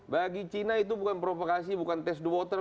bagi cina itu bukan provokasi bukan test the water